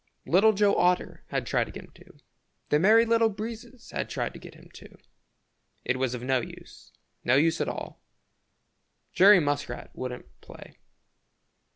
Little Joe Otter had tried to get him to. The Merry Little Breezes had tried to get him to. It was of no use, no use at all. Jerry Muskrat wouldn't play.